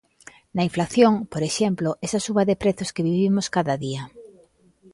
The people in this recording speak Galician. Na inflación, por exemplo, esa suba de prezos que vivimos cada día.